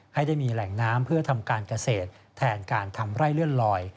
ให้ได้มีแหล่งน้ำเพื่อทำการเกษตรแทนการทำไร่เลื่อนลอย